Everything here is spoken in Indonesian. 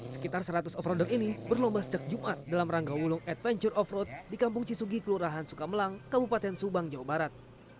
sekitar seratus offroader ini berlomba sejak jumat dalam ranggaulung adventure offroad di kampung cisugi kelurahan sukamelang kabupaten subang jawa barat